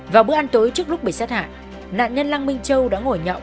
vào bữa ăn tối trước lúc bị sát hại nạn nhân lăng minh châu đã ngồi nhậu